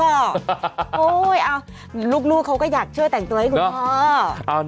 โอ้โหลูกเขาก็อยากช่วยแต่งตัวให้คุณพ่อ